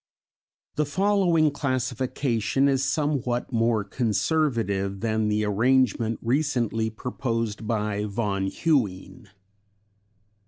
The following classification is somewhat more conservative than the arrangement recently proposed by von Huene.